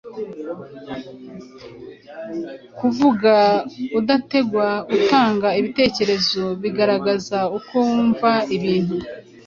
kuvuga udategwa, utanga ibitekerezo bigaragaza uko wumva ibintu